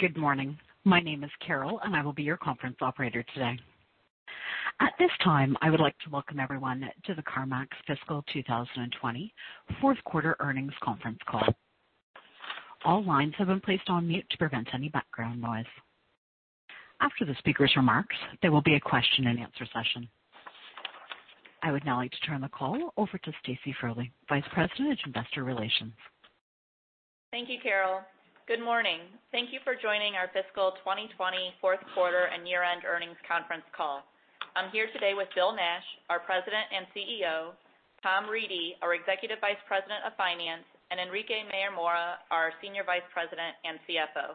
Good morning. My name is Carol. I will be your conference operator today. At this time, I would like to welcome everyone to the CarMax Fiscal 2020 Fourth Quarter Earnings Conference Call. All lines have been placed on mute to prevent any background noise. After the speaker's remarks, there will be a question-and-answer session. I would now like to turn the call over to Stacy Frole, Vice President of Investor Relations. Thank you, Carol. Good morning. Thank you for joining our fiscal 2020 fourth quarter and year-end earnings conference call. I'm here today with Bill Nash, our President and CEO, Tom Reedy, our Executive Vice President of Finance, and Enrique Mayor-Mora, our Senior Vice President and CFO.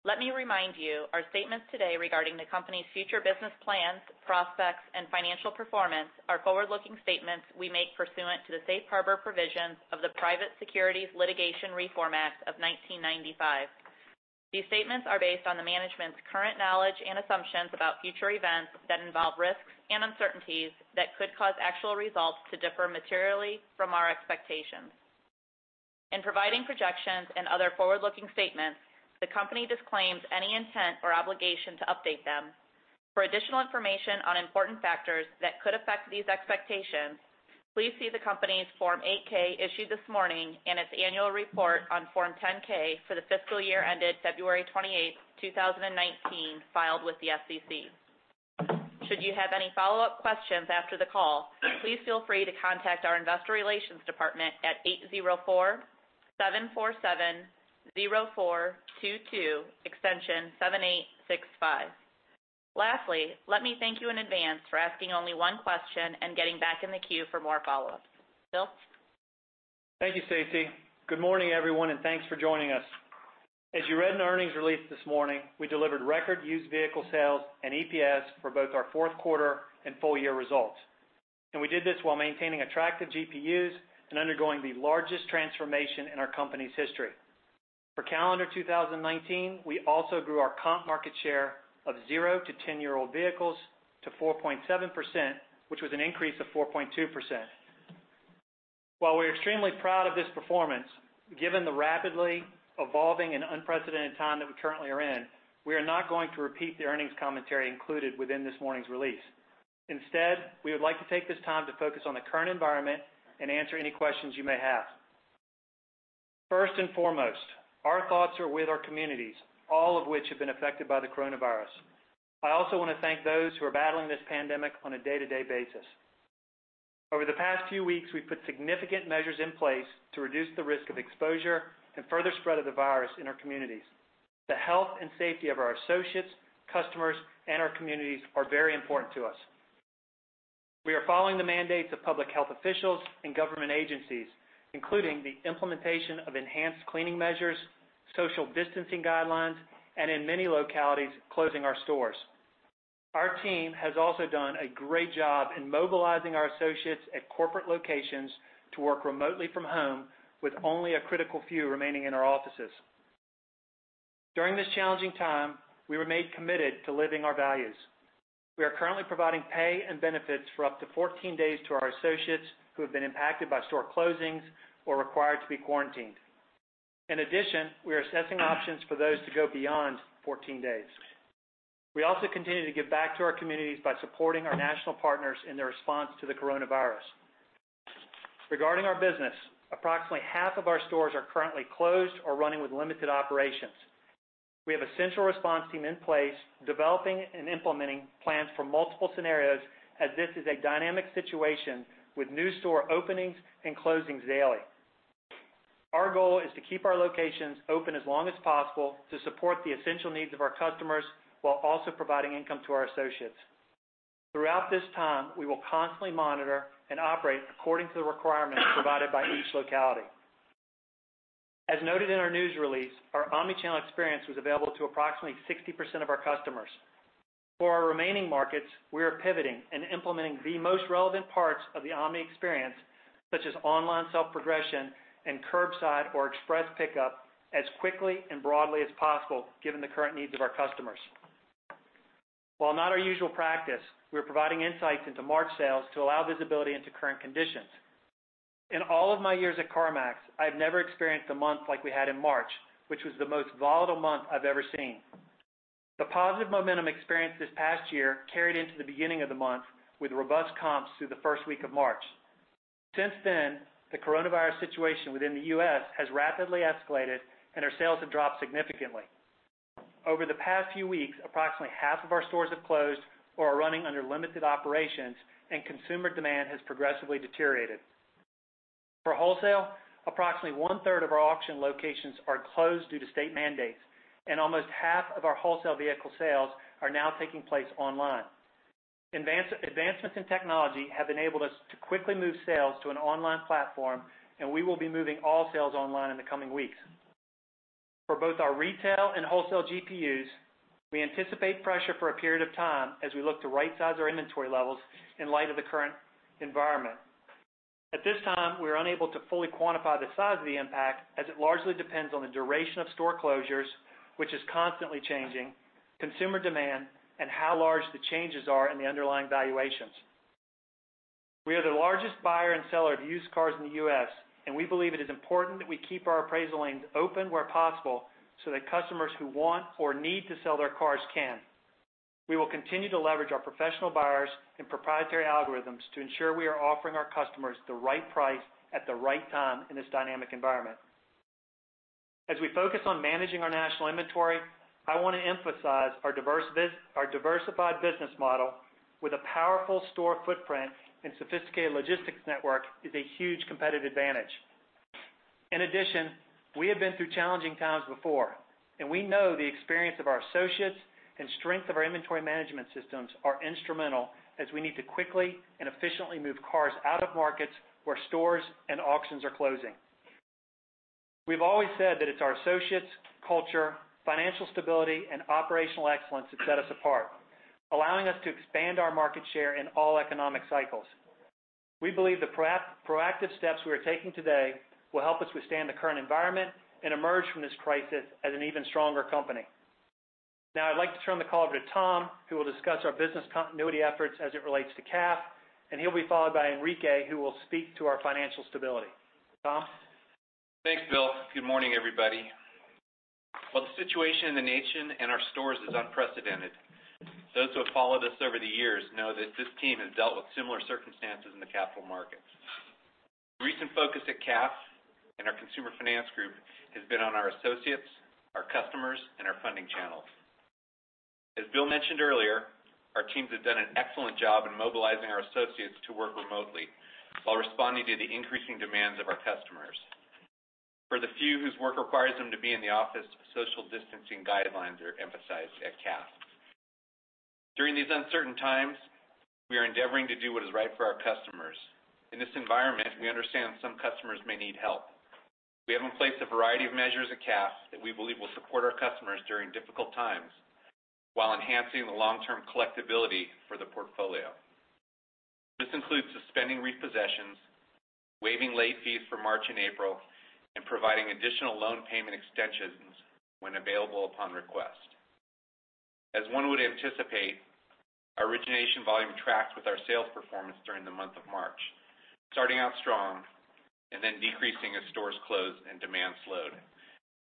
Let me remind you, our statements today regarding the Company's future business plans, prospects, and financial performance are forward-looking statements we make pursuant to the safe harbor provisions of the Private Securities Litigation Reform Act of 1995. These statements are based on the management's current knowledge and assumptions about future events that involve risks and uncertainties that could cause actual results to differ materially from our expectations. In providing projections and other forward-looking statements, the company disclaims any intent or obligation to update them. For additional information on important factors that could affect these expectations, please see the company's Form 8-K issued this morning and its annual report on Form 10-K for the fiscal year ended February 28, 2019, filed with the SEC. Should you have any follow-up questions after the call, please feel free to contact our Investor Relations department at 804-747-0422, extension 7865. Lastly, let me thank you in advance for asking only one question and getting back in the queue for more follow-ups. Bill? Thank you, Stacy. Good morning, everyone, and thanks for joining us. As you read in the earnings release this morning, we delivered record used vehicle sales and EPS for both our fourth quarter and full-year results. We did this while maintaining attractive GPUs and undergoing the largest transformation in our company's history. For calendar 2019, we also grew our comp market share of 0 to 10-year-old vehicles to 4.7%, which was an increase of 4.2%. While we're extremely proud of this performance, given the rapidly evolving and unprecedented time that we currently are in, we are not going to repeat the earnings commentary included within this morning's release. Instead, we would like to take this time to focus on the current environment and answer any questions you may have. First and foremost, our thoughts are with our communities, all of which have been affected by the coronavirus. I also want to thank those who are battling this pandemic on a day-to-day basis. Over the past few weeks, we've put significant measures in place to reduce the risk of exposure and further spread of the virus in our communities. The health and safety of our associates, customers, and our communities are very important to us. We are following the mandates of public health officials and government agencies, including the implementation of enhanced cleaning measures, social distancing guidelines, and in many localities, closing our stores. Our team has also done a great job in mobilizing our associates at corporate locations to work remotely from home with only a critical few remaining in our offices. During this challenging time, we remain committed to living our values. We are currently providing pay and benefits for up to 14 days to our associates who have been impacted by store closings or required to be quarantined. In addition, we are assessing options for those to go beyond 14 days. We also continue to give back to our communities by supporting our national partners in their response to the coronavirus. Regarding our business, approximately half of our stores are currently closed or running with limited operations. We have a central response team in place developing and implementing plans for multiple scenarios as this is a dynamic situation with new store openings and closings daily. Our goal is to keep our locations open as long as possible to support the essential needs of our customers while also providing income to our associates. Throughout this time, we will constantly monitor and operate according to the requirements provided by each locality. As noted in our news release, our omni-channel experience was available to approximately 60% of our customers. For our remaining markets, we are pivoting and implementing the most relevant parts of the omni experience, such as online self-progression and curbside or express pickup as quickly and broadly as possible, given the current needs of our customers. While not our usual practice, we're providing insights into March sales to allow visibility into current conditions. In all of my years at CarMax, I have never experienced a month like we had in March, which was the most volatile month I've ever seen. The positive momentum experienced this past year carried into the beginning of the month with robust comps through the first week of March. Since then, the coronavirus situation within the U.S. has rapidly escalated, and our sales have dropped significantly. Over the past few weeks, approximately half of our stores have closed or are running under limited operations, and consumer demand has progressively deteriorated. For wholesale, approximately one-third of our auction locations are closed due to state mandates, and almost half of our wholesale vehicle sales are now taking place online. Advancements in technology have enabled us to quickly move sales to an online platform, and we will be moving all sales online in the coming weeks. For both our retail and wholesale GPUs, we anticipate pressure for a period of time as we look to right-size our inventory levels in light of the current environment. At this time, we are unable to fully quantify the size of the impact as it largely depends on the duration of store closures, which is constantly changing, consumer demand, and how large the changes are in the underlying valuations. We are the largest buyer and seller of used cars in the U.S., and we believe it is important that we keep our appraisal lanes open where possible so that customers who want or need to sell their cars can. We will continue to leverage our professional buyers and proprietary algorithms to ensure we are offering our customers the right price at the right time in this dynamic environment. As we focus on managing our national inventory, I want to emphasize our diversified business model with a powerful store footprint and sophisticated logistics network is a huge competitive advantage. We have been through challenging times before. We know the experience of our associates and strength of our inventory management systems are instrumental as we need to quickly and efficiently move cars out of markets where stores and auctions are closing. We've always said that it's our associates, culture, financial stability, and operational excellence that set us apart, allowing us to expand our market share in all economic cycles. We believe the proactive steps we are taking today will help us withstand the current environment and emerge from this crisis as an even stronger company. I'd like to turn the call over to Tom, who will discuss our business continuity efforts as it relates to CAF. He'll be followed by Enrique, who will speak to our financial stability. Tom? Thanks, Bill. Good morning, everybody. While the situation in the nation and our stores is unprecedented, those who have followed us over the years know that this team has dealt with similar circumstances in the capital markets. Recent focus at CAF and our consumer finance group has been on our associates, our customers, and our funding channels. As Bill mentioned earlier, our teams have done an excellent job in mobilizing our associates to work remotely while responding to the increasing demands of our customers. For the few whose work requires them to be in the office, social distancing guidelines are emphasized at CAF. During these uncertain times, we are endeavoring to do what is right for our customers. In this environment, we understand some customers may need help. We have in place a variety of measures at CAF that we believe will support our customers during difficult times while enhancing the long-term collectibility for the portfolio. This includes suspending repossessions, waiving late fees for March and April, and providing additional loan payment extensions when available, upon request. As one would anticipate, our origination volume tracked with our sales performance during the month of March, starting out strong and then decreasing as stores closed and demand slowed.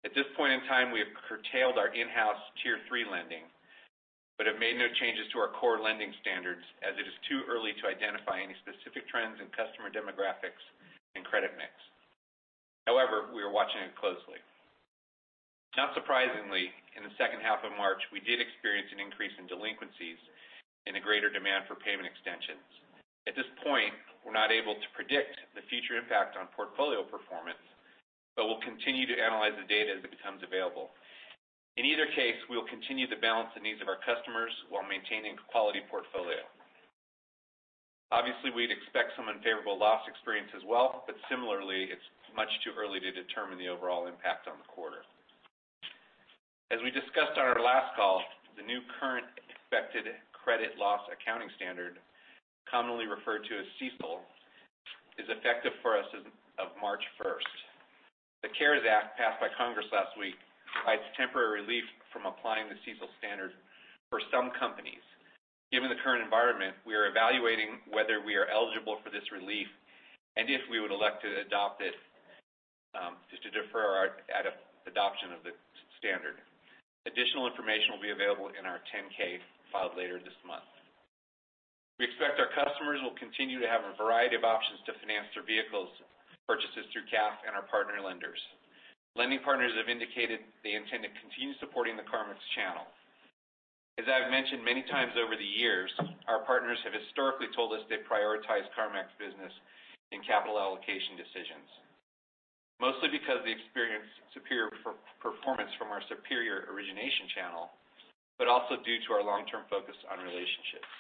At this point in time, we have curtailed our in-house Tier 3 lending, but have made no changes to our core lending standards as it is too early to identify any specific trends in customer demographics and credit mix. However, we are watching it closely. Not surprisingly, in the second half of March, we did experience an increase in delinquencies and a greater demand for payment extensions. At this point, we're not able to predict the future impact on portfolio performance, but we'll continue to analyze the data as it becomes available. In either case, we will continue to balance the needs of our customers while maintaining a quality portfolio. Obviously, we'd expect some unfavorable loss experience as well, but similarly, it's much too early to determine the overall impact on the quarter. As we discussed on our last call, the new current expected credit loss accounting standard, commonly referred to as CECL, is effective for us as of March 1st. The CARES Act passed by Congress last week provides temporary relief from applying the CECL standard for some companies. Given the current environment, we are evaluating whether we are eligible for this relief and if we would elect to adopt it, just to defer our adoption of the standard. Additional information will be available in our 10-K filed later this month. We expect our customers will continue to have a variety of options to finance their vehicle purchases through CAF and our partner lenders. Lending partners have indicated they intend to continue supporting the CarMax channel. As I've mentioned many times over the years, our partners have historically told us they prioritize CarMax business in capital allocation decisions, mostly because they experience superior performance from our superior origination channel, but also due to our long-term focus on relationships.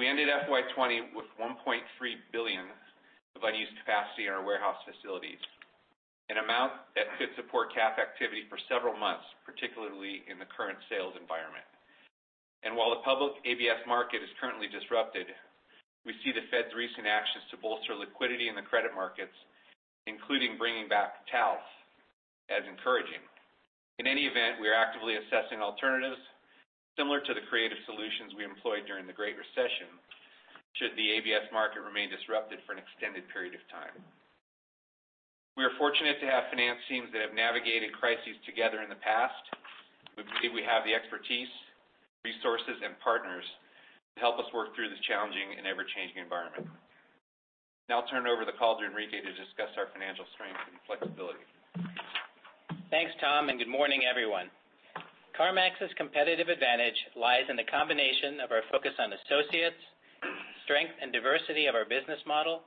We ended FY 2020 with $1.3 billion of unused capacity in our warehouse facilities, an amount that could support CAF activity for several months, particularly in the current sales environment. While the public ABS market is currently disrupted, we see the Fed's recent actions to bolster liquidity in the credit markets, including bringing back TALF, as encouraging. In any event, we are actively assessing alternatives similar to the creative solutions we employed during the Great Recession should the ABS market remain disrupted for an extended period of time. We are fortunate to have finance teams that have navigated crises together in the past. We believe we have the expertise, resources, and partners to help us work through this challenging and ever-changing environment. Now I'll turn over the call to Enrique to discuss our financial strength and flexibility. Thanks, Tom, and good morning, everyone. CarMax's competitive advantage lies in the combination of our focus on associates, strength and diversity of our business model,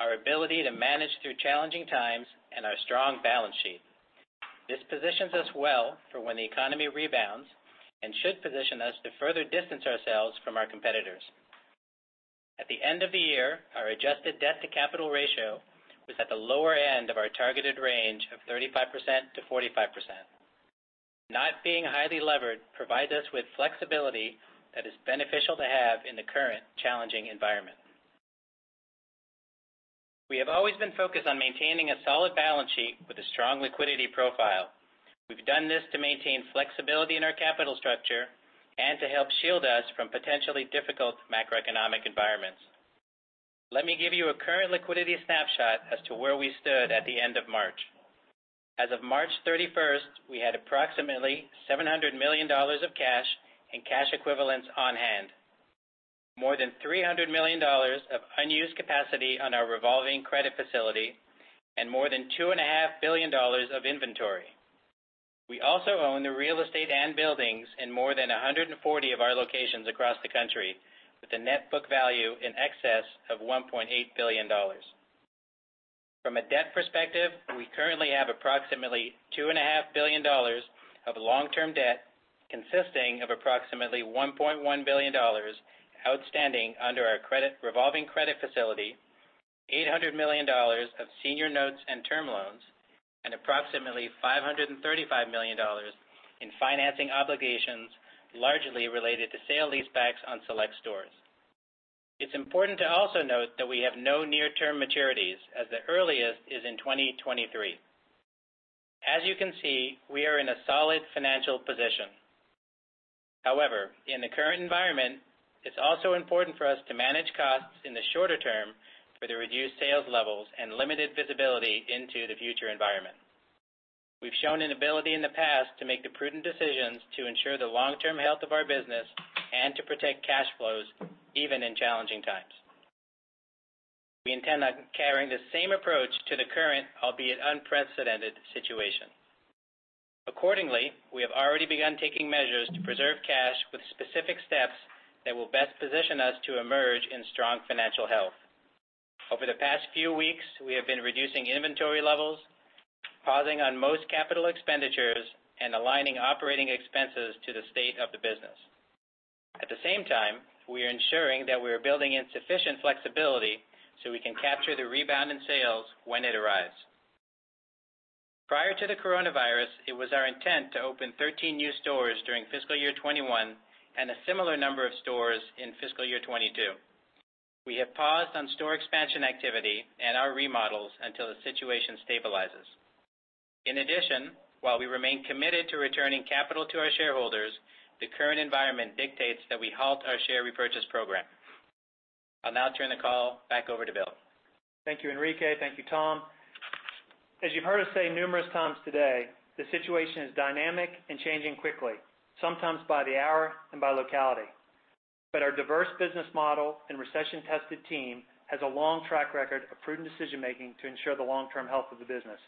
our ability to manage through challenging times, and our strong balance sheet. This positions us well for when the economy rebounds and should position us to further distance ourselves from our competitors. At the end of the year, our adjusted debt-to-capital ratio was at the lower end of our targeted range of 35%-45%. Not being highly levered provides us with flexibility that is beneficial to have in the current challenging environment. We have always been focused on maintaining a solid balance sheet with a strong liquidity profile. We've done this to maintain flexibility in our capital structure and to help shield us from potentially difficult macroeconomic environments. Let me give you a current liquidity snapshot as to where we stood at the end of March. As of March 31st, we had approximately $700 million of cash and cash equivalents on hand, more than $300 million of unused capacity on our revolving credit facility, and more than $2.5 billion of inventory. We also own the real estate and buildings in more than 140 of our locations across the country, with a net book value in excess of $1.8 billion. From a debt perspective, we currently have approximately $2.5 billion of long-term debt, consisting of approximately $1.1 billion outstanding under our revolving credit facility, $800 million of senior notes and term loans, and approximately $535 million in financing obligations, largely related to sale leasebacks on select stores. It's important to also note that we have no near-term maturities, as the earliest is in 2023. As you can see, we are in a solid financial position. In the current environment, it's also important for us to manage costs in the shorter term for the reduced sales levels and limited visibility into the future environment. We've shown an ability in the past to make the prudent decisions to ensure the long-term health of our business and to protect cash flows even in challenging times. We intend on carrying the same approach to the current, albeit unprecedented, situation. Accordingly, we have already begun taking measures to preserve cash with specific steps that will best position us to emerge in strong financial health. Over the past few weeks, we have been reducing inventory levels, pausing on most capital expenditures, and aligning operating expenses to the state of the business. At the same time, we are ensuring that we are building in sufficient flexibility so we can capture the rebound in sales when it arrives. Prior to the coronavirus, it was our intent to open 13 new stores during fiscal year 2021 and a similar number of stores in fiscal year 2022. We have paused on store expansion activity and our remodels until the situation stabilizes. In addition, while we remain committed to returning capital to our shareholders, the current environment dictates that we halt our share repurchase program. I'll now turn the call back over to Bill. Thank you, Enrique. Thank you, Tom. As you've heard us say numerous times today, the situation is dynamic and changing quickly, sometimes by the hour and by locality. Our diverse business model and recession-tested team has a long track record of prudent decision-making to ensure the long-term health of the business.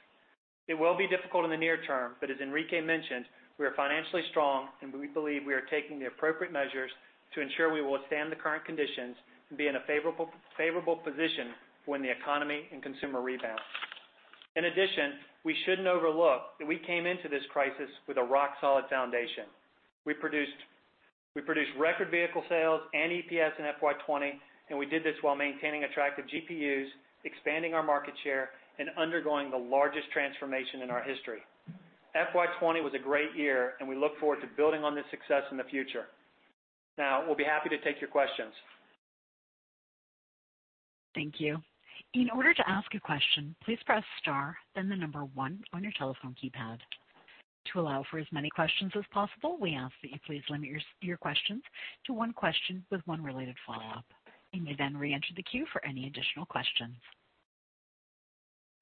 It will be difficult in the near term, but as Enrique mentioned, we are financially strong, and we believe we are taking the appropriate measures to ensure we will withstand the current conditions and be in a favorable position when the economy and consumer rebound. In addition, we shouldn't overlook that we came into this crisis with a rock-solid foundation. We produced record vehicle sales and EPS in FY 2020, and we did this while maintaining attractive GPUs, expanding our market share, and undergoing the largest transformation in our history. FY 2020 was a great year, and we look forward to building on this success in the future. Now, we'll be happy to take your questions. Thank you. In order to ask a question, please press star, then the number one on your telephone keypad. To allow for as many questions as possible, we ask that you please limit your questions to one question with one related follow-up. You may then reenter the queue for any additional questions.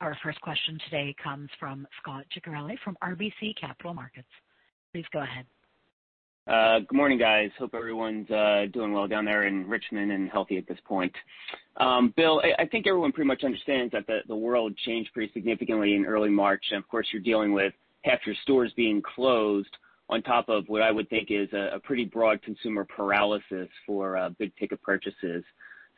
Our first question today comes from Scot Ciccarelli from RBC Capital Markets. Please go ahead. Good morning, guys. Hope everyone's doing well down there in Richmond and healthy at this point. Bill, I think everyone pretty much understands that the world changed pretty significantly in early March, and of course, you're dealing with half your stores being closed on top of what I would think is a pretty broad consumer paralysis for big-ticket purchases.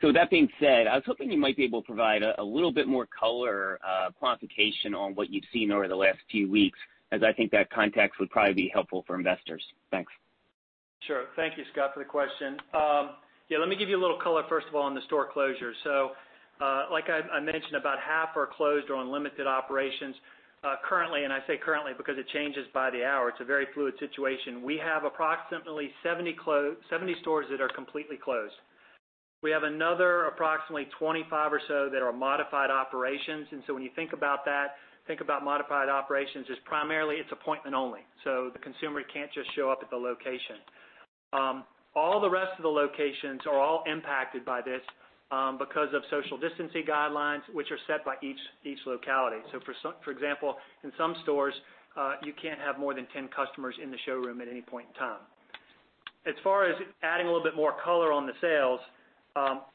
That being said, I was hoping you might be able to provide a little bit more color or quantification on what you've seen over the last few weeks, as I think that context would probably be helpful for investors. Thanks. Yeah, thank you, Scot, for the question. Let me give you a little color, first of all, on the store closures. Like I mentioned, about half are closed or on limited operations. Currently, and I say currently because it changes by the hour, it's a very fluid situation. We have approximately 70 stores that are completely closed. We have another approximately 25 or so that are modified operations. When you think about that, think about modified operations as primarily it's appointment only. The consumer can't just show up at the location. All the rest of the locations are all impacted by this because of social distancing guidelines, which are set by each locality. For example, in some stores, you can't have more than 10 customers in the showroom at any point in time. As far as adding a little bit more color on the sales,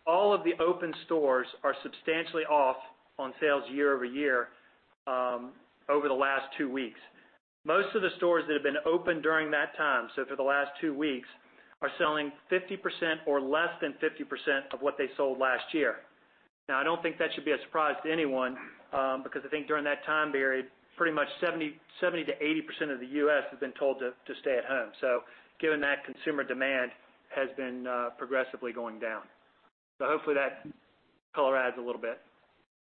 all of the open stores are substantially off on sales year-over-year over the last two weeks. Most of the stores that have been open during that time, so for the last two weeks, are selling 50% or less than 50% of what they sold last year. I don't think that should be a surprise to anyone because I think during that time period, pretty much 70%-80% of the U.S. has been told to stay at home. Given that, consumer demand has been progressively going down. Hopefully that color adds a little bit.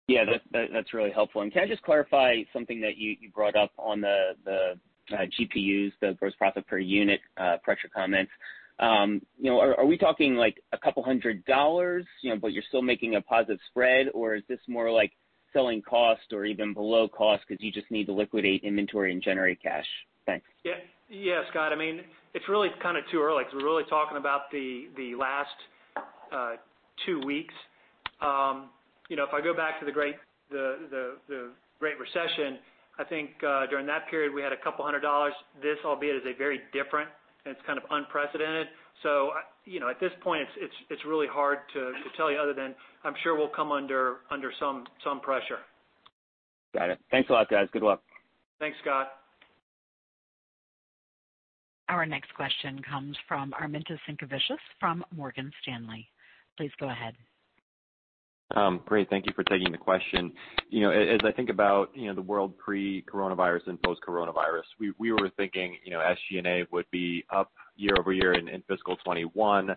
Yeah, that's really helpful. Can I just clarify something that you brought up on the GPUs, the gross profit per unit pressure comments? Are we talking a couple $100, but you're still making a positive spread? Is this more like selling cost or even below cost because you just need to liquidate inventory and generate cash? Thanks. Yeah. Scot, it's really kind of too early, because we're really talking about the last two weeks. If I go back to the Great Recession, I think during that period, we had a couple $100. This albeit is very different, and it's kind of unprecedented. At this point, it's really hard to tell you other than I'm sure we'll come under some pressure. Got it. Thanks a lot, guys. Good luck. Thanks, Scot. Our next question comes from Armintas Sinkevicius from Morgan Stanley. Please go ahead. Great. Thank you for taking the question. As I think about the world pre-coronavirus and post-coronavirus, we were thinking SG&A would be up year-over-year in fiscal 2021,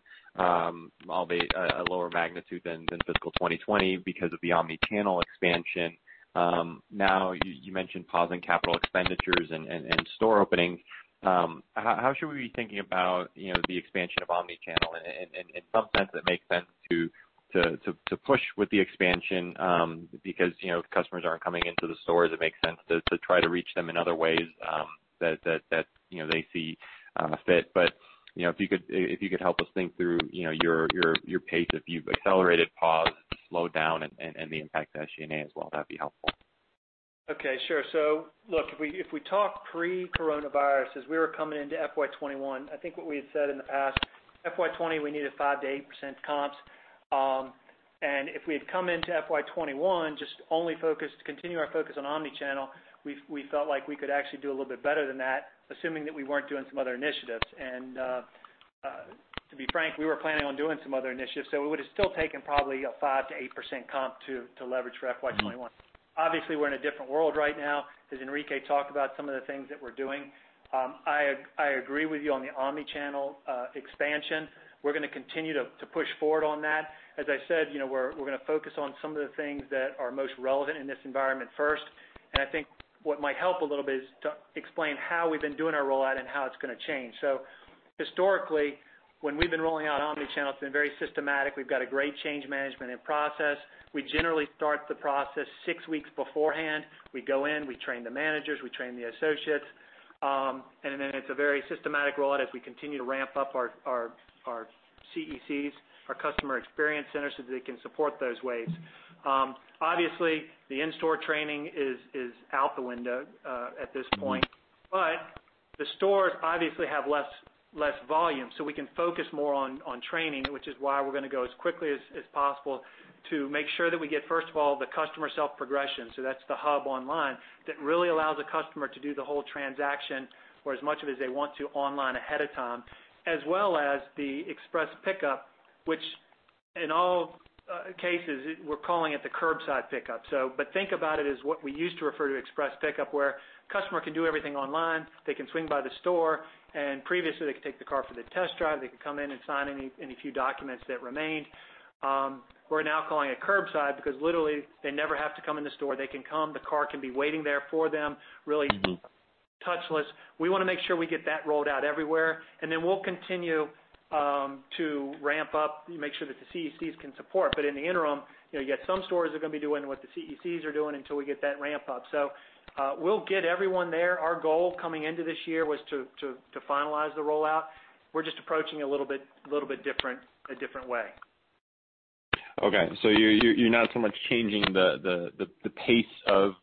albeit a lower magnitude than fiscal 2020 because of the omni-channel expansion. You mentioned pausing capital expenditures and store openings. How should we be thinking about the expansion of omni-channel? In some sense, it makes sense to push with the expansion because customers aren't coming into the stores. It makes sense to try to reach them in other ways that they see fit. If you could help us think through your pace, if you've accelerated, paused, slowed down, and the impact to SG&A as well, that'd be helpful. Okay, sure. Look, if we talk pre-coronavirus, as we were coming into FY 2021, I think what we had said in the past, FY 2020, we needed 5%-8% comps. If we had come into FY 2021, just only continue our focus on omni-channel, we felt like we could actually do a little bit better than that, assuming that we weren't doing some other initiatives. To be frank, we were planning on doing some other initiatives. It would've still taken probably a 5%-8% comp to leverage for FY 2021. Obviously, we're in a different world right now. As Enrique talked about some of the things that we're doing. I agree with you on the omni-channel expansion. We're going to continue to push forward on that. As I said, we're going to focus on some of the things that are most relevant in this environment first. I think what might help a little bit is to explain how we've been doing our rollout and how it's going to change. Historically, when we've been rolling out omni-channel, it's been very systematic. We've got a great change management and process. We generally start the process six weeks beforehand. We go in, we train the managers, we train the associates. Then it's a very systematic rollout as we continue to ramp up our CECs, our customer experience centers, so they can support those waves. Obviously, the in-store training is out the window at this point. The stores obviously have less volume, so we can focus more on training, which is why we're going to go as quickly as possible to make sure that we get, first of all, the customer self-progression. That's the hub online that really allows the customer to do the whole transaction or as much of as they want to online ahead of time, as well as the express pickup, which in all cases, we're calling it the curbside pickup. Think about it as what we used to refer to express pickup, where customer can do everything online. They can swing by the store, and previously they could take the car for the test drive. They could come in and sign any few documents that remained. We're now calling it curbside because literally they never have to come in the store. They can come, the car can be waiting there for them, really touchless. We want to make sure we get that rolled out everywhere. Then we'll continue to ramp up, make sure that the CECs can support. In the interim, you get some stores are going to be doing what the CECs are doing until we get that ramp up. We'll get everyone there. Our goal coming into this year was to finalize the rollout. We're just approaching a little bit different way. Okay, you're not so much changing the pace of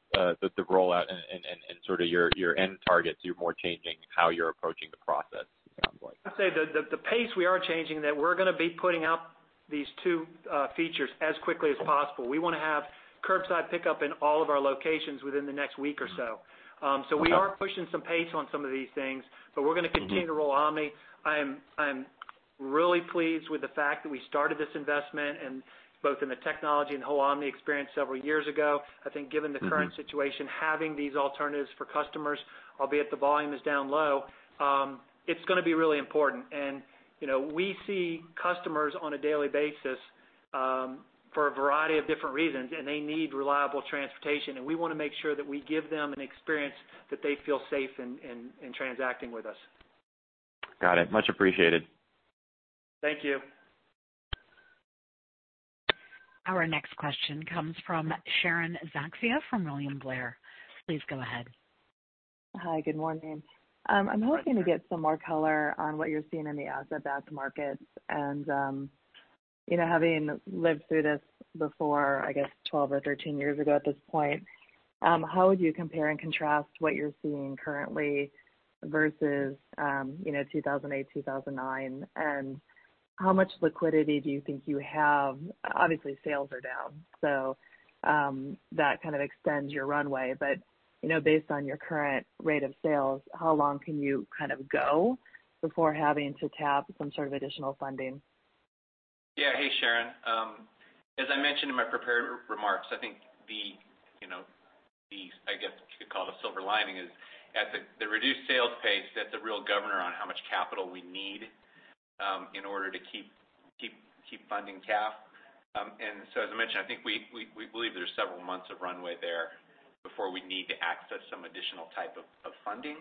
the rollout and sort of your end targets. You're more changing how you're approaching the process sounds like. I'd say the pace we are changing that we're going to be putting out these two features as quickly as possible. We want to have curbside pickup in all of our locations within the next week or so. We are pushing some pace on some of these things, but we're going to continue to roll omni. I am really pleased with the fact that we started this investment and both in the technology and the whole omni experience several years ago. I think given the current situation, having these alternatives for customers, albeit the volume is down low, it's going to be really important. We see customers on a daily basis, for a variety of different reasons, and they need reliable transportation, and we want to make sure that we give them an experience that they feel safe in transacting with us. Got it. Much appreciated. Thank you. Our next question comes from Sharon Zackfia from William Blair. Please go ahead. Hi. Good morning. I'm hoping to get some more color on what you're seeing in the asset-backed markets. Having lived through this before, I guess 12 or 13 years ago at this point, how would you compare and contrast what you're seeing currently versus 2008, 2009? How much liquidity do you think you have? Obviously, sales are down, so that kind of extends your runway. Based on your current rate of sales, how long can you kind of go before having to tap some sort of additional funding? Yeah. Hey, Sharon. As I mentioned in my prepared remarks, I think the. I guess what you could call the silver lining is at the reduced sales pace, that's a real governor on how much capital we need in order to keep funding CAF. As I mentioned, I think we believe there's several months of runway there before we need to access some additional type of funding.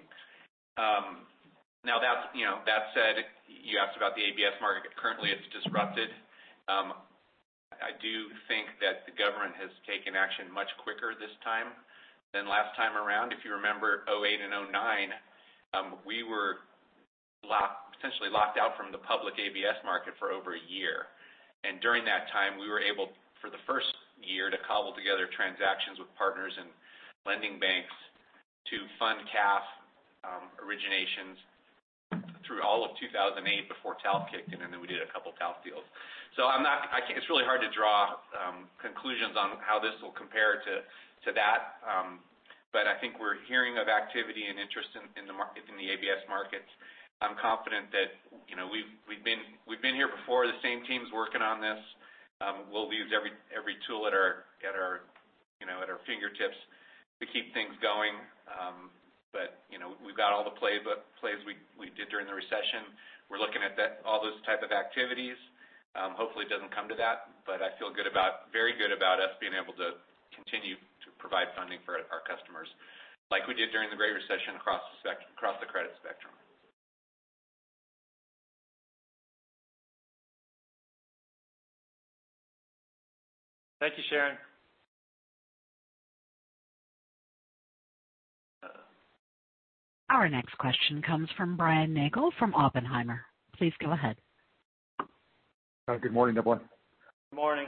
Now that said, you asked about the ABS market. Currently, it's disrupted. I do think that the government has taken action much quicker this time than last time around. If you remember 2008 and 2009, we were essentially locked out from the public ABS market for over a year. During that time, we were able, for the first year, to cobble together transactions with partners and lending banks to fund CAF originations through all of 2008 before TALF kicked in, and then we did a couple of TALF deals. It's really hard to draw conclusions on how this will compare to that. I think we're hearing of activity and interest in the ABS markets. I'm confident that we've been here before. The same team's working on this. We'll use every tool at our fingertips to keep things going. We've got all the plays we did during the recession. We're looking at all those type of activities. Hopefully, it doesn't come to that, but I feel very good about us being able to continue to provide funding for our customers, like we did during the Great Recession across the credit spectrum. Thank you, Sharon. Our next question comes from Brian Nagel from Oppenheimer. Please go ahead. Good morning, everyone. Good morning.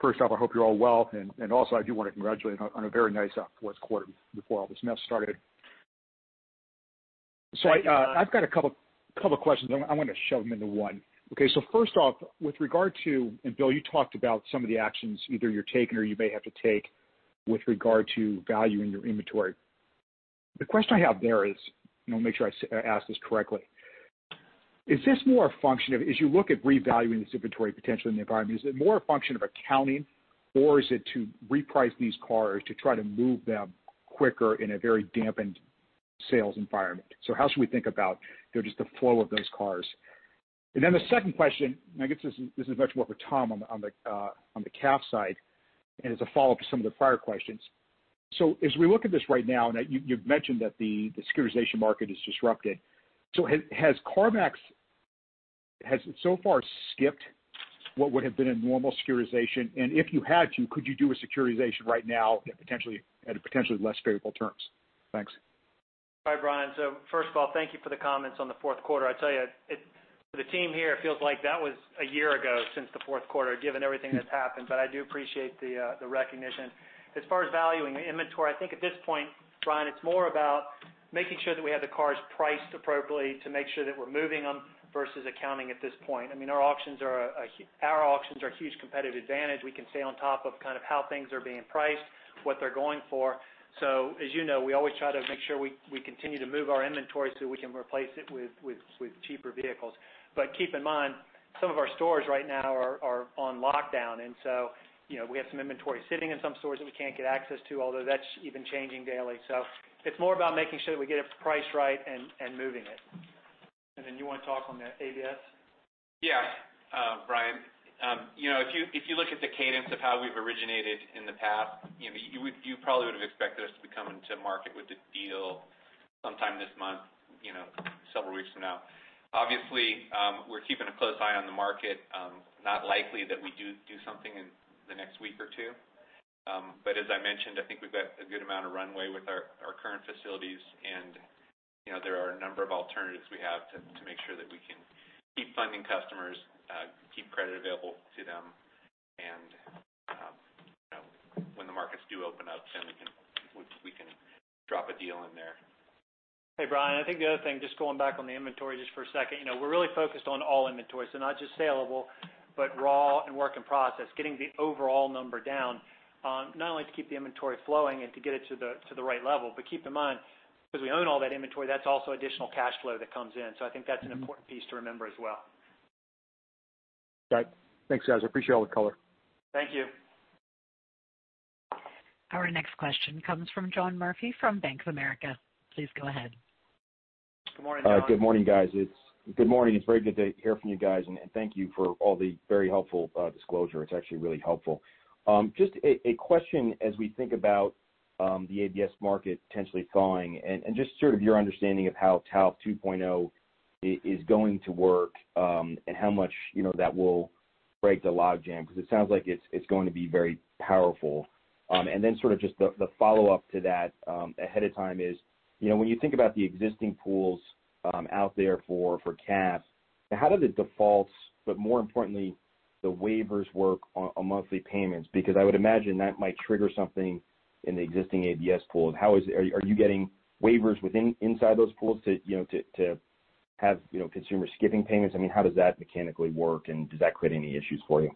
First off, I hope you're all well, and also I do want to congratulate you on a very nice fourth quarter before all this mess started. I've got a couple of questions. I want to shove them into one. First off, with regard to, and Bill, you talked about some of the actions either you're taking or you may have to take with regard to value in your inventory. The question I have there is, I'll make sure I ask this correctly. As you look at revaluing this inventory potentially in the environment, is it more a function of accounting or is it to reprice these cars to try to move them quicker in a very dampened sales environment? How should we think about just the flow of those cars? The second question, and I guess this is much more for Tom on the CAF side, and it's a follow-up to some of the prior questions. As we look at this right now, you've mentioned that the securitization market is disrupted. Has CarMax so far skipped what would have been a normal securitization? If you had to, could you do a securitization right now at a potentially less favorable terms? Thanks. Hi, Brian. First of all, thank you for the comments on the fourth quarter. I tell you, the team here feels like that was a year ago since the fourth quarter, given everything that's happened. I do appreciate the recognition. As far as valuing the inventory, I think at this point, Brian, it's more about making sure that we have the cars priced appropriately to make sure that we're moving them versus accounting at this point. Our auctions are a huge competitive advantage. We can stay on top of kind of how things are being priced, what they're going for. As you know, we always try to make sure we continue to move our inventory so we can replace it with cheaper vehicles. Keep in mind, some of our stores right now are on lockdown. We have some inventory sitting in some stores that we can't get access to, although that's even changing daily. It's more about making sure that we get it priced right and moving it. You want to talk on the ABS? Brian, if you look at the cadence of how we've originated in the past, you probably would have expected us to be coming to market with a deal sometime this month, several weeks from now. Obviously, we're keeping a close eye on the market. Not likely that we do something in the next week or two. As I mentioned, I think we've got a good amount of runway with our current facilities, and there are a number of alternatives we have to make sure that we can keep funding customers, keep credit available to them, and when the markets do open up, then we can drop a deal in there. Hey, Brian, I think the other thing, just going back on the inventory just for a second. We're really focused on all inventory, so not just saleable, but raw and work in process, getting the overall number down. Not only to keep the inventory flowing and to get it to the right level, but keep in mind, because we own all that inventory, that's also additional cash flow that comes in. I think that's an important piece to remember as well. Got it. Thanks, guys. I appreciate all the color. Thank you. Our next question comes from John Murphy from Bank of America. Please go ahead. Good morning, John. Good morning, guys. Good morning. It's very good to hear from you guys, and thank you for all the very helpful disclosure. It's actually really helpful. Just a question as we think about the ABS market potentially thawing and just sort of your understanding of how TALF 2.0 is going to work, and how much that will break the logjam, because it sounds like it's going to be very powerful. Sort of just the follow-up to that ahead of time is, when you think about the existing pools out there for CAF, how do the defaults, but more importantly, the waivers work on monthly payments? I would imagine that might trigger something in the existing ABS pool. Are you getting waivers inside those pools to have consumers skipping payments? How does that mechanically work, and does that create any issues for you?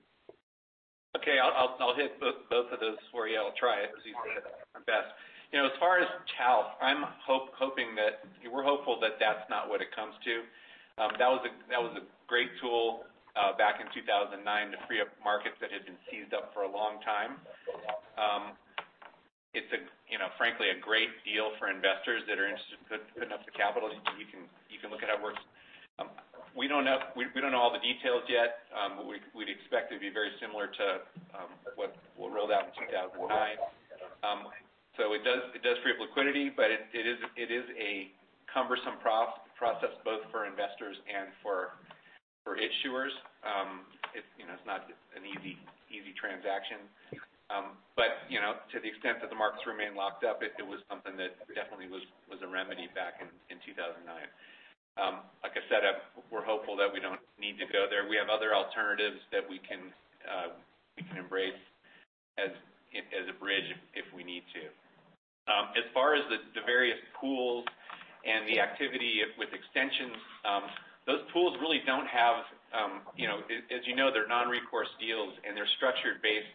Okay. I'll hit both of those for you. I'll try it as easily and as best I can. As far as TALF, we're hopeful that that's not what it comes to. That was a great tool back in 2009 to free up markets that had been seized up for a long time. It's frankly a great deal for investors that are interested, putting up the capital. You can look at how it works. We don't know all the details yet. We'd expect it to be very similar to what rolled out in 2009. It does free up liquidity, but it is a cumbersome process both for investors and for issuers. It's not an easy transaction. To the extent that the markets remain locked up, it was something that definitely was a remedy back in 2009. Like I said, we're hopeful that we don't need to go there. We have other alternatives that we can embrace as a bridge if we need to. As far as the various pools and the activity with extensions, those pools really don't have. As you know, they're non-recourse deals, and they're structured based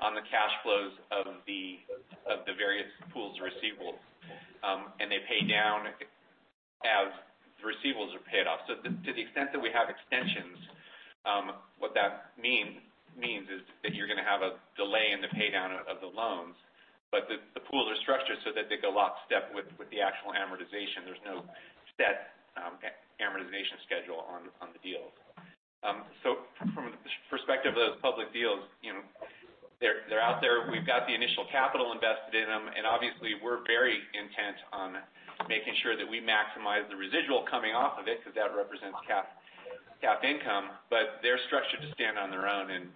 on the cash flows of the various pools' receivables, and they pay down as the receivables are paid off. To the extent that we have extensions, what that means is that you're going to have a delay in the pay down of the loans, but the pools are structured so that they go lockstep with the actual amortization. There's no set amortization schedule on the deals. From the perspective of those public deals, they're out there. We've got the initial capital invested in them, and obviously, we're very intent on making sure that we maximize the residual coming off of it because that represents cap income. They're structured to stand on their own and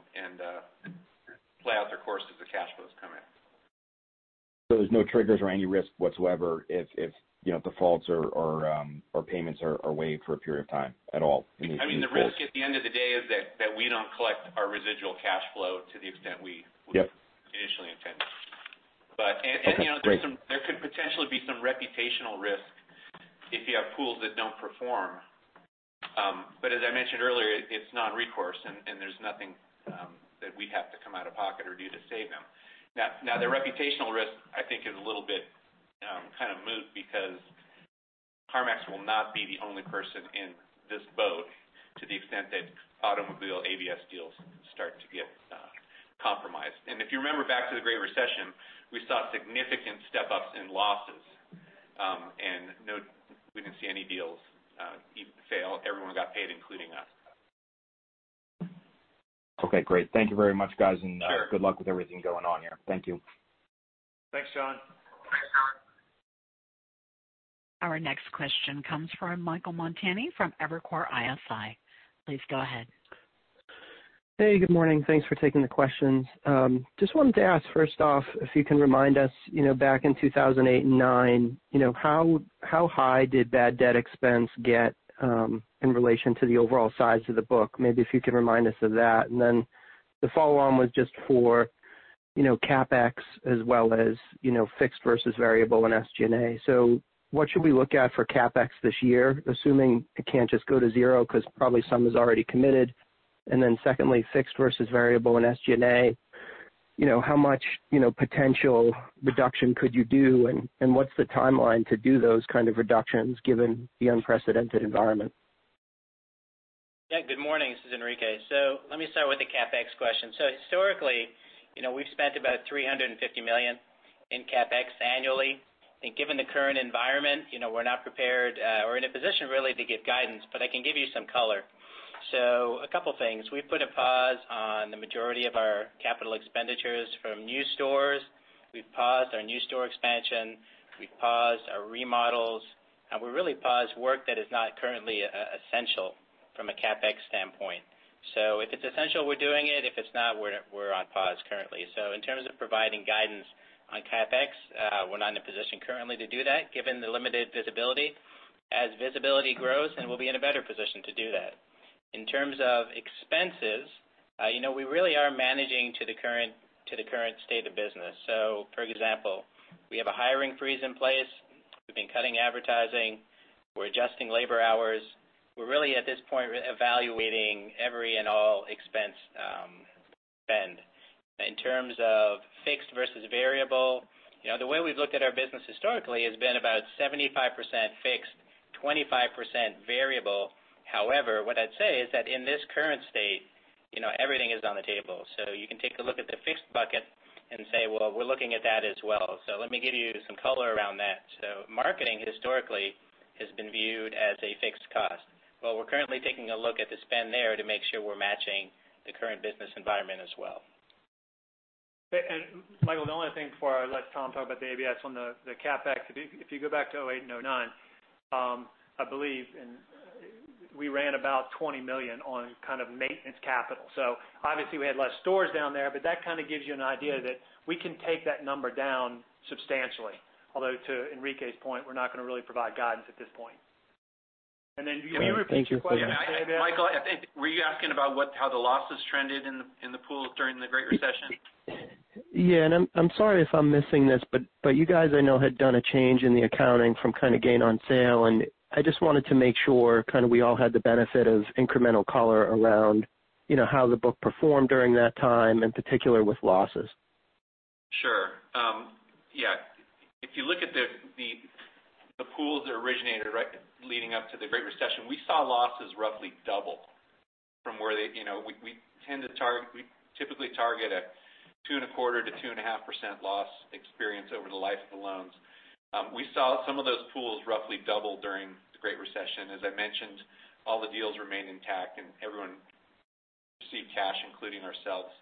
play out their course as the cash flows come in. There's no triggers or any risk whatsoever if defaults or payments are away for a period of time at all in these pools? The risk at the end of the day is that we don't collect our residual cash flow. Yep. Initially intended. Okay, great. There could potentially be some reputational risk if you have pools that don't perform. As I mentioned earlier, it's non-recourse, and there's nothing that we'd have to come out of pocket or do to save them. The reputational risk, I think, is a little bit kind of moot because CarMax will not be the only person in this boat to the extent that automobile ABS deals start to get compromised. If you remember back to the Great Recession, we saw significant step-ups in losses. No, we didn't see any deals fail. Everyone got paid, including us. Okay, great. Thank you very much, guys. Sure. Good luck with everything going on here. Thank you. Thanks, John. Thanks, John. Our next question comes from Michael Montani from Evercore ISI. Please go ahead. Hey, good morning. Thanks for taking the questions. Just wanted to ask, first off, if you can remind us back in 2008 and 2009, how high did bad debt expense get in relation to the overall size of the book? Maybe if you could remind us of that. The follow-on was just for CapEx as well as fixed versus variable in SG&A. What should we look at for CapEx this year? Assuming it can't just go to zero because probably some is already committed. Secondly, fixed versus variable in SG&A, how much potential reduction could you do, and what's the timeline to do those kind of reductions given the unprecedented environment? Yeah, good morning. This is Enrique. Let me start with the CapEx question. Historically, we've spent about $350 million in CapEx annually. I think given the current environment, we're not prepared or in a position really to give guidance, but I can give you some color. A couple things. We've put a pause on the majority of our capital expenditures from new stores. We've paused our new store expansion. We've paused our remodels, and we really paused work that is not currently essential from a CapEx standpoint. If it's essential, we're doing it. If it's not, we're on pause currently. In terms of providing guidance on CapEx, we're not in a position currently to do that given the limited visibility. As visibility grows, we'll be in a better position to do that. In terms of expenses, we really are managing to the current state of business. For example, we have a hiring freeze in place. We've been cutting advertising. We're adjusting labor hours. We're really at this point evaluating every and all expense spend. In terms of fixed versus variable, the way we've looked at our business historically has been about 75% fixed, 25% variable. However, what I'd say is that in this current state, everything is on the table. You can take a look at the fixed bucket and say, well, we're looking at that as well. Let me give you some color around that. Marketing historically has been viewed as a fixed cost. Well, we're currently taking a look at the spend there to make sure we're matching the current business environment as well. Michael, the only thing before I let Tom talk about the ABS on the CapEx, if you go back to 2008 and 2009, I believe, we ran about $20 million on kind of maintenance capital. Obviously we had less stores down there, but that kind of gives you an idea that we can take that number down substantially. Although to Enrique's point, we're not going to really provide guidance at this point. Can you repeat your question, Michael? Michael, were you asking about how the losses trended in the pools during the Great Recession? Yeah, I'm sorry if I'm missing this, you guys I know had done a change in the accounting from kind of gain on sale, I just wanted to make sure kind of we all had the benefit of incremental color around how the book performed during that time, in particular with losses. Sure. Yeah. The pools that originated leading up to the Great Recession, we saw losses roughly double from where they. We typically target a 2.25%-2.5% loss experience over the life of the loans. We saw some of those pools roughly double during the Great Recession. As I mentioned, all the deals remained intact, and everyone received cash, including ourselves,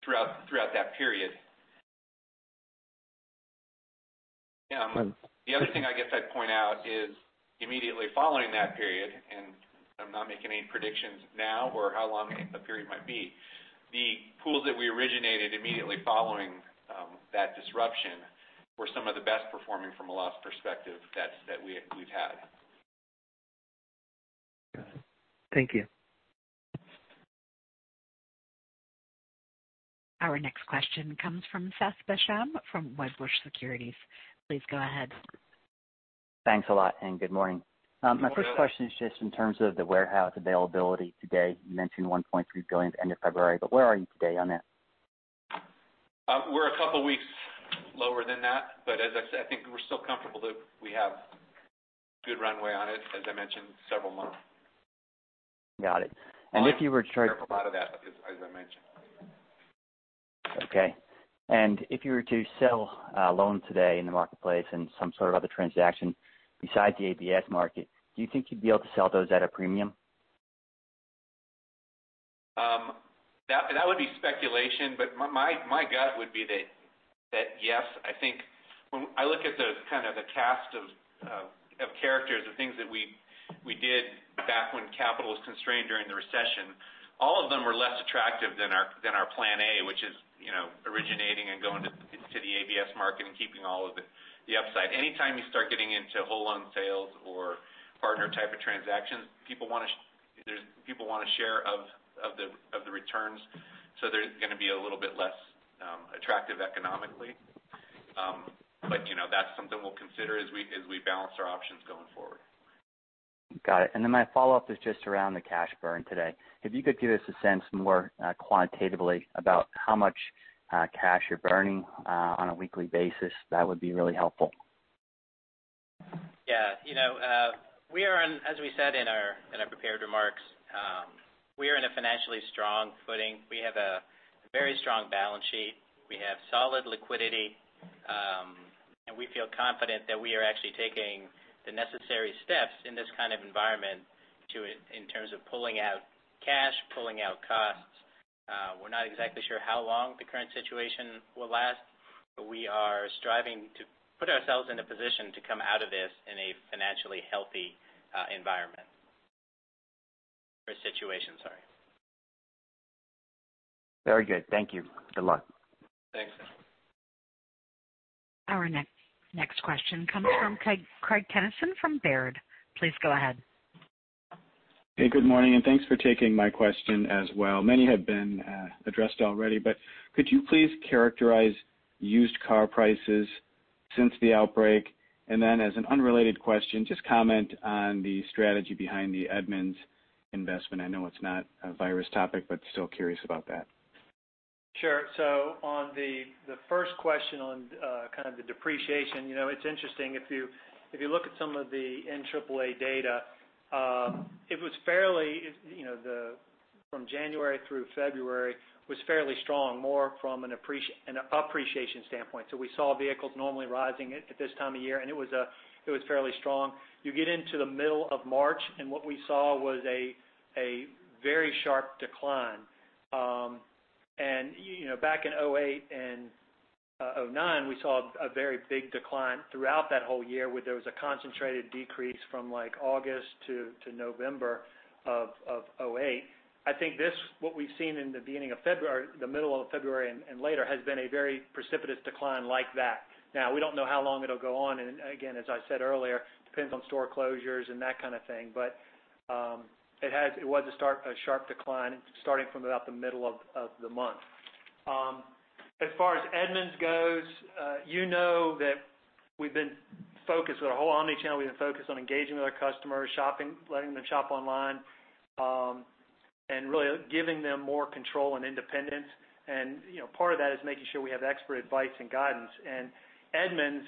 throughout that period. The other thing I guess I'd point out is immediately following that period, and I'm not making any predictions now or how long a period might be. The pools that we originated immediately following that disruption were some of the best performing from a loss perspective that we've had. Good. Thank you. Our next question comes from Seth Basham from Wedbush Securities. Please go ahead. Thanks a lot, and good morning. Good morning. My first question is just in terms of the warehouse availability today. You mentioned $1.3 billion at the end of February. Where are you today on that? We're a couple weeks lower than that, but as I said, I think we're still comfortable that we have good runway on it, as I mentioned, several months. Got it. Provided that, as I mentioned. Okay. If you were to sell a loan today in the marketplace and some sort of other transaction besides the ABS market, do you think you'd be able to sell those at a premium? That would be speculation, but my gut would be that yes, I think when I look at the cast of characters of things that we did back when capital was constrained during the recession, all of them were less attractive than our plan A, which is originating and going to the ABS market and keeping all of the upside. Anytime you start getting into whole loan sales or partner type of transactions, people want a share of the returns. They're going to be a little bit less attractive economically. That's something we'll consider as we balance our options going forward. Got it. My follow-up is just around the cash burn today. If you could give us a sense more quantitatively about how much cash you're burning on a weekly basis, that would be really helpful. Yeah. As we said in our prepared remarks, we are in a financially strong footing. We have a very strong balance sheet. We have solid liquidity. We feel confident that we are actually taking the necessary steps in this kind of environment in terms of pulling out cash, pulling out costs. We're not exactly sure how long the current situation will last, but we are striving to put ourselves in a position to come out of this in a financially healthy environment or situation, sorry. Very good. Thank you. Good luck. Thanks. Our next question comes from Craig Kennison from Baird. Please go ahead. Hey, good morning. Thanks for taking my question as well. Many have been addressed already. Could you please characterize used car prices since the outbreak? As an unrelated question, just comment on the strategy behind the Edmunds investment. I know it's not a virus topic, but still curious about that. Sure. On the first question on kind of the depreciation. It's interesting, if you look at some of the AAA data, from January through February, was fairly strong, more from an appreciation standpoint. We saw vehicles normally rising at this time of year, and it was fairly strong. You get into the middle of March, and what we saw was a very sharp decline. Back in 2008 and 2009, we saw a very big decline throughout that whole year, where there was a concentrated decrease from August to November of 2008. I think what we've seen in the middle of February and later has been a very precipitous decline like that. We don't know how long it'll go on, and again, as I said earlier, depends on store closures and that kind of thing. It was a sharp decline starting from about the middle of the month. As far as Edmunds goes, you know that we've been focused with our whole omni-channel. We've been focused on engaging with our customers, letting them shop online, and really giving them more control and independence. Part of that is making sure we have expert advice and guidance. Edmunds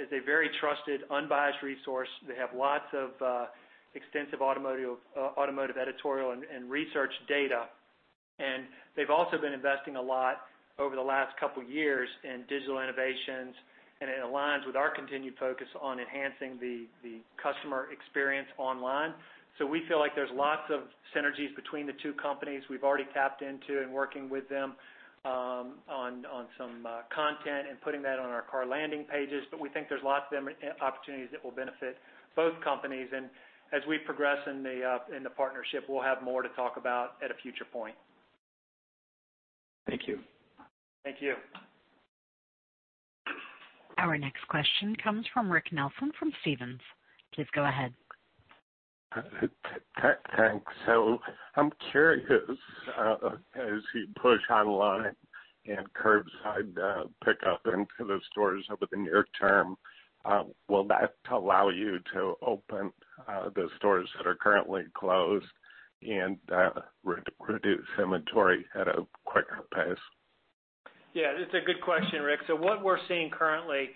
is a very trusted, unbiased resource. They have lots of extensive automotive editorial and research data. They've also been investing a lot over the last couple of years in digital innovations, and it aligns with our continued focus on enhancing the customer experience online. We feel like there's lots of synergies between the two companies. We've already tapped into and working with them on some content and putting that on our car landing pages. We think there's lots of opportunities that will benefit both companies. As we progress in the partnership, we'll have more to talk about at a future point. Thank you. Thank you. Our next question comes from Rick Nelson from Stephens. Please go ahead. Thanks. I'm curious, as you push online and curbside pickup into the stores over the near term, will that allow you to open the stores that are currently closed and reduce inventory at a quicker pace? Yeah, it's a good question, Rick. What we're seeing currently,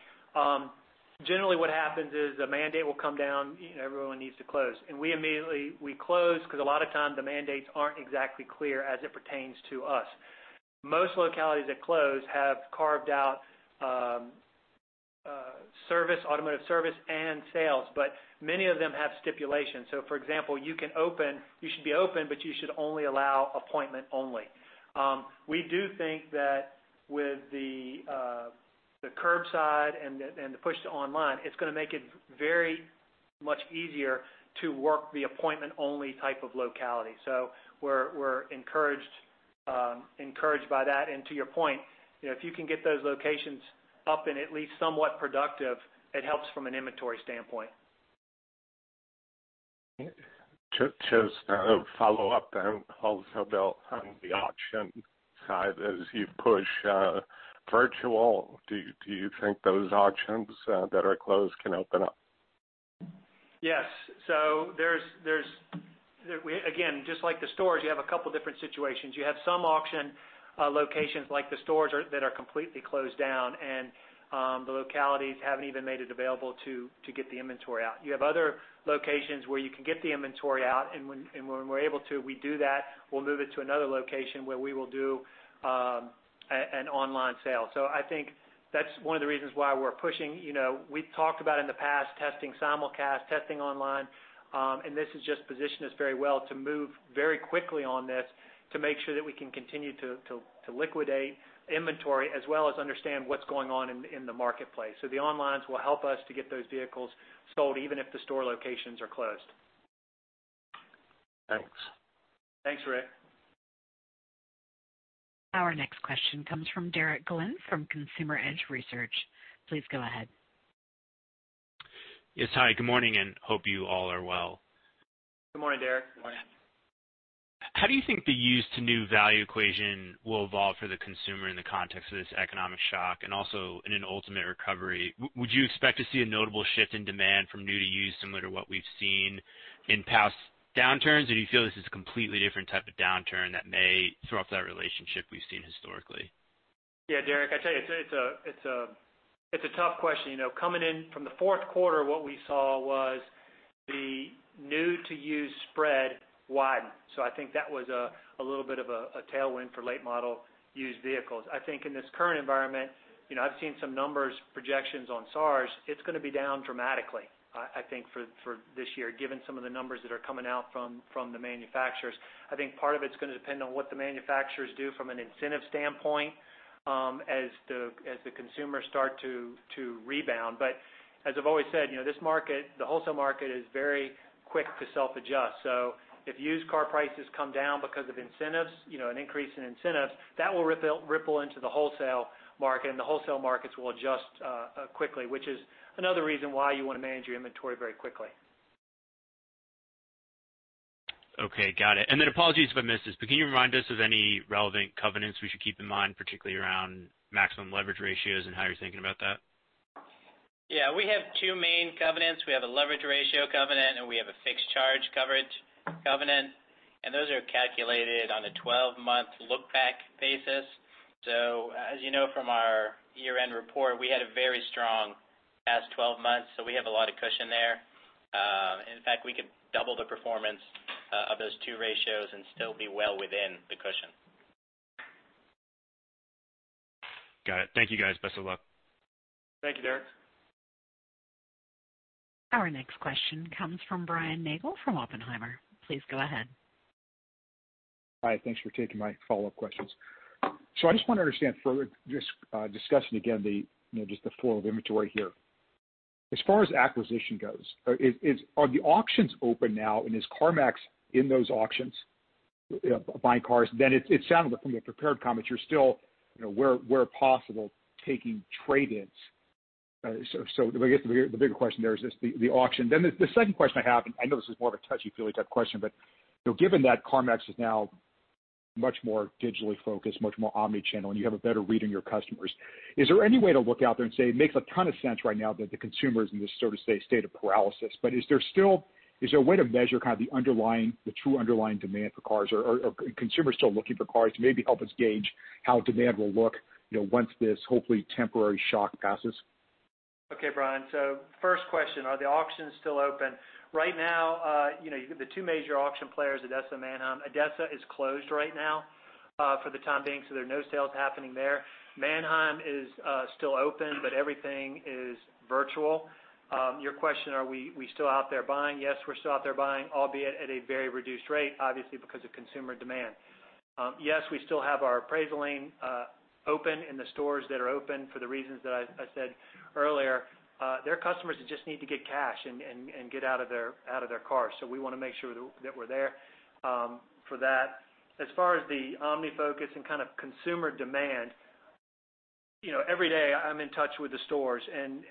generally what happens is a mandate will come down, everyone needs to close. We immediately close, because a lot of times the mandates aren't exactly clear as it pertains to us. Most localities that close have carved out service, automotive service, and sales, but many of them have stipulations. For example, you should be open, but you should only allow appointment only. We do think that with the curbside and the push to online, it's going to make it very much easier to work the appointment-only type of locality. We're encouraged by that. To your point, if you can get those locations up and at least somewhat productive, it helps from an inventory standpoint. Just a follow-up then also, Bill, on the auction side, as you push virtual, do you think those auctions that are closed can open up? Yes. Again, just like the stores, you have a couple different situations. You have some auction locations, like the stores, that are completely closed down, and the localities haven't even made it available to get the inventory out. You have other locations where you can get the inventory out, and when we're able to, we do that. We'll move it to another location where we will do an online sale. I think that's one of the reasons why we're pushing. We've talked about in the past testing simulcast, testing online. This has just positioned us very well to move very quickly on this to make sure that we can continue to liquidate inventory as well as understand what's going on in the marketplace. The onlines will help us to get those vehicles sold, even if the store locations are closed. Thanks. Thanks, Rick. Our next question comes from Derek Glynn from Consumer Edge Research. Please go ahead. Yes, hi. Good morning. Hope you all are well. Good morning, Derek. Good morning. How do you think the used to new value equation will evolve for the consumer in the context of this economic shock and also in an ultimate recovery? Would you expect to see a notable shift in demand from new to used, similar to what we've seen in past downturns? Do you feel this is a completely different type of downturn that may throw off that relationship we've seen historically? Yeah, Derek, I tell you, it's a tough question. Coming in from the fourth quarter, what we saw was the new to used spread widen. I think that was a little bit of a tailwind for late model used vehicles. I think in this current environment, I've seen some numbers projections on SAAR, it's going to be down dramatically, I think for this year, given some of the numbers that are coming out from the manufacturers. I think part of it's going to depend on what the manufacturers do from an incentive standpoint as the consumers start to rebound. As I've always said, the wholesale market is very quick to self-adjust. If used car prices come down because of incentives, an increase in incentives, that will ripple into the wholesale market, and the wholesale markets will adjust quickly, which is another reason why you want to manage your inventory very quickly. Okay, got it. Apologies if I missed this, but can you remind us of any relevant covenants we should keep in mind, particularly around maximum leverage ratios and how you're thinking about that? Yeah, we have two main covenants. We have a leverage ratio covenant, and we have a fixed charge coverage covenant, and those are calculated on a 12-month look-back basis. As you know from our year-end report, we had a very strong past 12 months, so we have a lot of cushion there. In fact, we could double the performance of those two ratios and still be well within the cushion. Got it. Thank you, guys. Best of luck. Thank you, Derek. Our next question comes from Brian Nagel from Oppenheimer. Please go ahead. Hi, thanks for taking my follow-up questions. I just want to understand further, just discussing again just the flow of inventory here. As far as acquisition goes, are the auctions open now, and is CarMax in those auctions buying cars? It sounded like from your prepared comments, you're still, where possible, taking trade-ins. I guess the bigger question there is just the auction. The second question I have, and I know this is more of a touchy-feely type question, but given that CarMax is now much more digitally focused, much more omni-channel, and you have a better read on your customers, is there any way to look out there and say it makes a ton of sense right now that the consumer's in this, so to say, state of paralysis. Is there a way to measure the true underlying demand for cars? Are consumers still looking for cars to maybe help us gauge how demand will look once this, hopefully, temporary shock passes? Okay, Brian. First question, are the auctions still open? Right now, the two major auction players, ADESA and Manheim. ADESA is closed right now for the time being, there are no sales happening there. Manheim is still open, everything is virtual. Your question, are we still out there buying? Yes, we're still out there buying, albeit at a very reduced rate, obviously because of consumer demand. Yes, we still have our appraisal lane open in the stores that are open for the reasons that I said earlier. There are customers that just need to get cash and get out of their cars. We want to make sure that we're there for that. As far as the omni-focus and kind of consumer demand. Every day I'm in touch with the stores,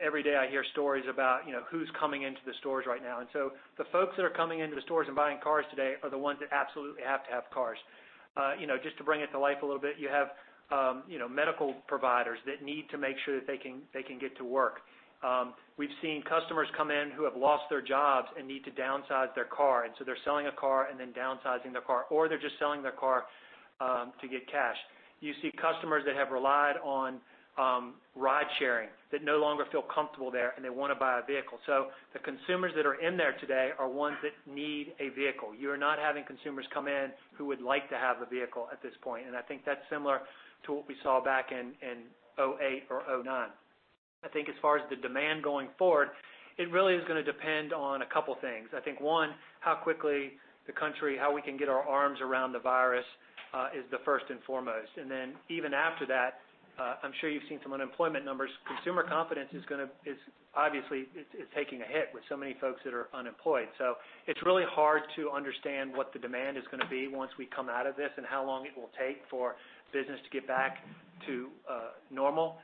every day I hear stories about who's coming into the stores right now. The folks that are coming into the stores and buying cars today are the ones that absolutely have to have cars. Just to bring it to life a little bit, you have medical providers that need to make sure that they can get to work. We've seen customers come in who have lost their jobs and need to downsize their car. They're selling a car and then downsizing their car, or they're just selling their car to get cash. You see customers that have relied on ride sharing that no longer feel comfortable there, and they want to buy a vehicle. The consumers that are in there today are ones that need a vehicle. You are not having consumers come in who would like to have a vehicle at this point, and I think that's similar to what we saw back in 2008 or 2009. I think as far as the demand going forward, it really is going to depend on a couple things. I think, one, how quickly the country, how we can get our arms around the virus is the first and foremost. Even after that, I'm sure you've seen some unemployment numbers. Consumer confidence is obviously taking a hit with so many folks that are unemployed. It's really hard to understand what the demand is going to be once we come out of this, and how long it will take for business to get back to normal.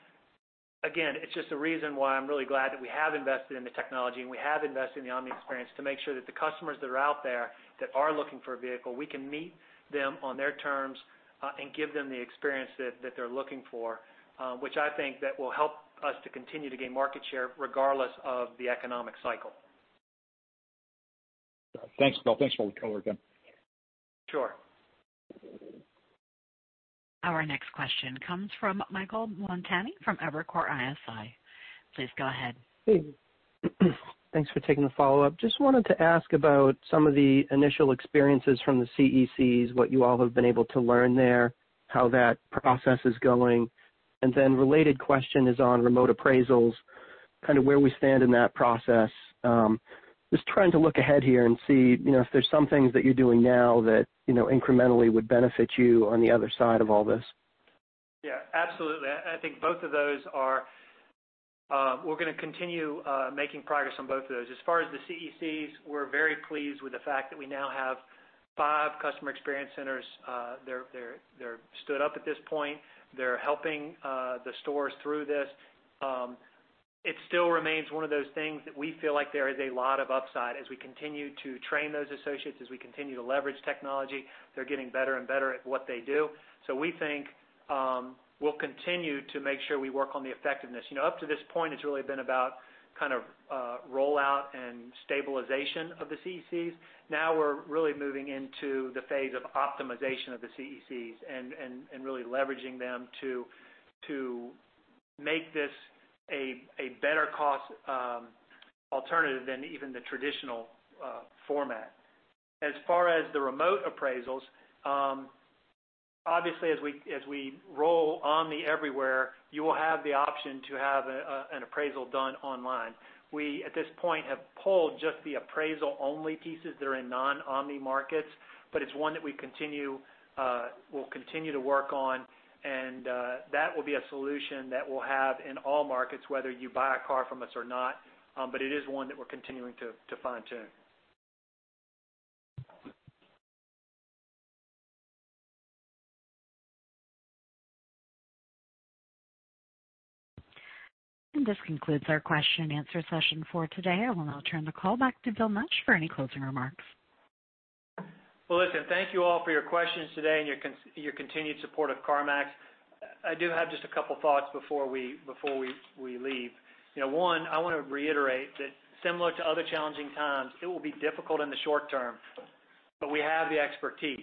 It's just a reason why I'm really glad that we have invested in the technology, and we have invested in the omni experience to make sure that the customers that are out there that are looking for a vehicle, we can meet them on their terms and give them the experience that they're looking for which I think that will help us to continue to gain market share regardless of the economic cycle. Thanks, Bill. Thanks for the color, again. Sure. Our next question comes from Michael Montani from Evercore ISI. Please go ahead. Hey. Thanks for taking the follow-up. Just wanted to ask about some of the initial experiences from the CECs, what you all have been able to learn there, how that process is going. Related question is on remote appraisals, where we stand in that process. Just trying to look ahead here and see if there's some things that you're doing now that incrementally would benefit you on the other side of all this. Yeah, absolutely. I think both of those. We're going to continue making progress on both of those. As far as the CECs, we're very pleased with the fact that we now have five customer experience centers. They're stood up at this point. They're helping the stores through this. It still remains one of those things that we feel like there is a lot of upside as we continue to train those associates, as we continue to leverage technology. They're getting better and better at what they do. We think we'll continue to make sure we work on the effectiveness. Up to this point, it's really been about rollout and stabilization of the CECs. Now we're really moving into the phase of optimization of the CECs and really leveraging them to make this a better cost alternative than even the traditional format. As far as the remote appraisals, obviously as we roll omni everywhere, you will have the option to have an appraisal done online. We, at this point, have pulled just the appraisal-only pieces that are in non-omni markets, but it's one that we'll continue to work on. That will be a solution that we'll have in all markets, whether you buy a car from us or not. It is one that we're continuing to fine-tune. This concludes our question-and-answer session for today. I will now turn the call back to Bill Nash for any closing remarks. Well, listen, thank you all for your questions today and your continued support of CarMax. I do have just a couple thoughts before we leave. One, I want to reiterate that similar to other challenging times, it will be difficult in the short term. We have the expertise.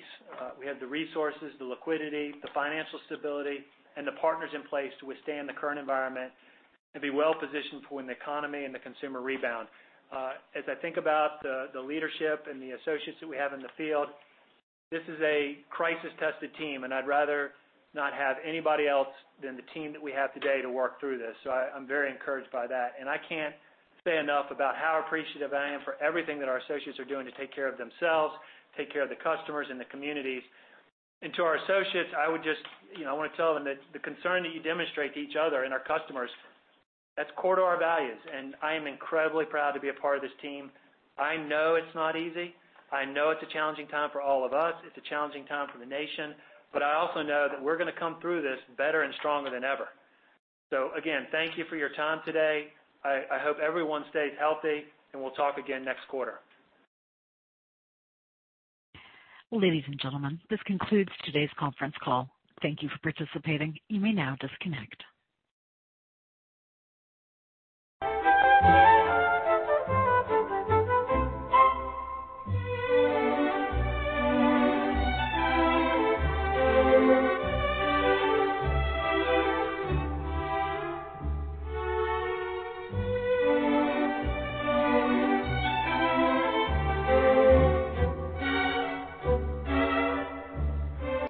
We have the resources, the liquidity, the financial stability, and the partners in place to withstand the current environment and be well-positioned for when the economy and the consumer rebound. As I think about the leadership and the associates that we have in the field, this is a crisis-tested team, and I'd rather not have anybody else than the team that we have today to work through this. I'm very encouraged by that. I can't say enough about how appreciative I am for everything that our associates are doing to take care of themselves, take care of the customers and the communities. To our associates, I want to tell them that the concern that you demonstrate to each other and our customers, that's core to our values. I am incredibly proud to be a part of this team. I know it's not easy. I know it's a challenging time for all of us. It's a challenging time for the nation. I also know that we're going to come through this better and stronger than ever. Again, thank you for your time today. I hope everyone stays healthy, and we'll talk again next quarter. Ladies and gentlemen, this concludes today's conference call. Thank you for participating. You may now disconnect.